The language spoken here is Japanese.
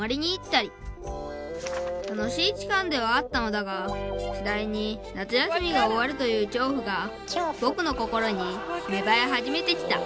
「たのしい期間ではあったのだがしだいに夏休みがおわるというきょうふがぼくの心にめばえ始めてきた」。